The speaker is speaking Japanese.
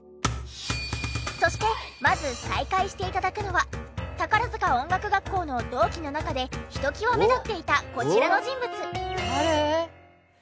そしてまず再会して頂くのは宝塚音楽学校の同期の中でひときわ目立っていたこちらの人物。